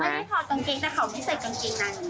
ไม่ได้ถอดกางเกงแต่เขาไม่ใส่กางเกงใด